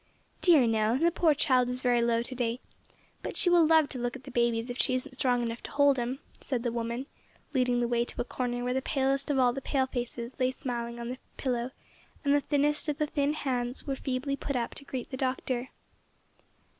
"Dear no, the poor child is very low to day. But she will love to look at the babies if she isn't strong enough to hold 'em," said the woman, leading the way to a corner where the palest of all the pale faces lay smiling on the pillow, and the thinnest of the thin hands were feebly put up to greet the Doctor.